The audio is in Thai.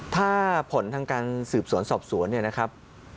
ถ้าผลทางการสืบสวนสอบสวนเนี่ยนะครับ